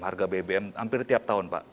harga bbm hampir tiap tahun pak